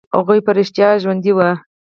هغوى په رښتيا ژوندي وو.